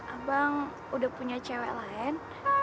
abang udah punya cewek lain